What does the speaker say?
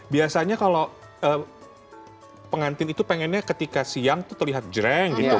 biasanya kalau pengantin itu pengennya ketika siang tuh terlihat jereng gitu